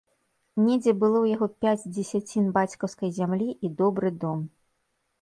Недзе было ў яго пяць дзесяцін бацькаўскай зямлі і добры дом.